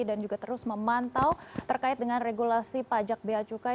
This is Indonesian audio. dan juga terus memantau terkait dengan regulasi pajak biaya cukai